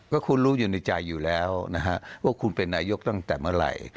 ก็คุณรู้อยู่ในใจอยู่แล้วนะฮะว่าคุณเป็นนายกตั้งแต่เมื่อไหร่